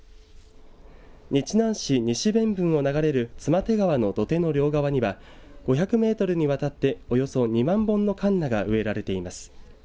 日南市西弁分を流れる妻手川の土手の両側には５００メートルにわたっておよそ２万本のカンナが植えられています。